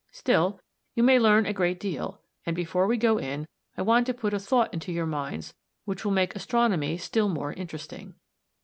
Still, you may learn a great deal, and before we go in I want to put a thought into your minds which will make astronomy still more interesting.